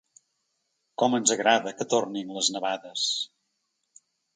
Com ens agrada que tornin les nevades!